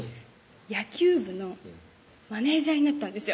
野球部のマネージャーになったんですよ